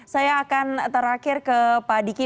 saya akan terakhir ke pak diki